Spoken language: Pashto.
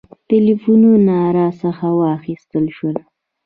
ټلفونونه راڅخه واخیستل شول.